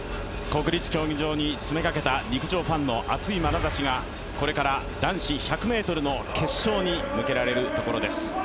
国立競技場に詰めかけた陸上ファンの熱いまなざしがこれから男子１００ｍの決勝に向けられるところです。